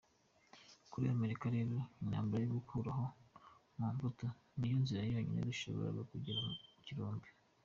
Kuri Amerika, rero intambara yo gukuraho Mobutu, niyo nzira yonyine yashoboraga kugera ku birombe.